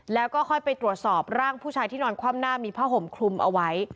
แล้วก็ค่อยไปตรวจสอบร่างผู้ชายที่นอนคว่ำหน้ามีผ้าห่มคลุมเอาไว้